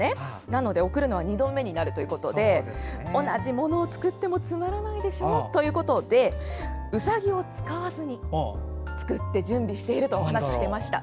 なので、送るのは２度目になるということで同じものを作ってもつまらないでしょということでうさぎを使わずに作って準備しているとお話をしていました。